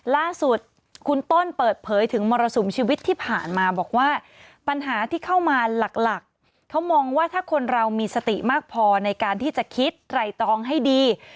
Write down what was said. ล่าสุดคุณต้นเปิดเผยถึงมรสุมชีวิตที่ผ่านมาบอกว่าปัญหาที่เข้ามาหลักเขามองว่าถ้าคนเรามีสติมากพอในการที่จะคิดไตรตองให้ดี